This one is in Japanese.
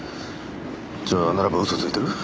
じゃあならば嘘ついてる？